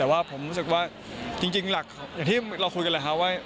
แต่ว่าผมรู้สึกว่าจริงหลักอย่างที่เราคุยกันแหละครับว่า